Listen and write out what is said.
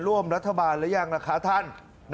ร่วมรัฐบาลหรือยังล่ะคะท่าน